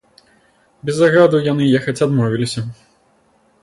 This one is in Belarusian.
Без загаду яны ехаць адмовіліся.